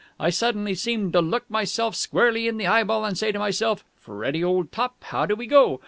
I suddenly seemed to look myself squarely in the eyeball and say to myself, 'Freddie, old top, how do we go?